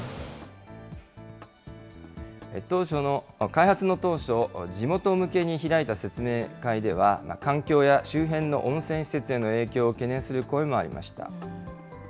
開発の当初、地元向けに開いた説明会では、環境や周辺の温泉施設への影響を懸念する声もありました。